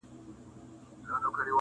لاس تر غاړه له خپل بخت سره جوړه سوه.!